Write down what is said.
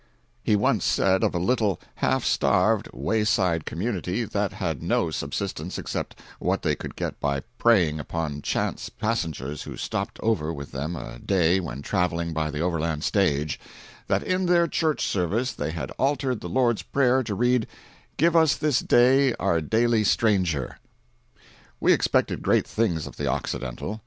_" He once said of a little, half starved, wayside community that had no subsistence except what they could get by preying upon chance passengers who stopped over with them a day when traveling by the overland stage, that in their Church service they had altered the Lord's Prayer to read: "Give us this day our daily stranger!" We expected great things of the Occidental.